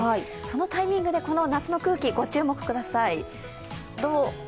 そのタイミングで、この夏の空気、ご注目ください。